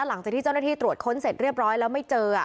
หลังจากที่เจ้าหน้าที่ตรวจค้นเสร็จเรียบร้อยแล้วไม่เจอ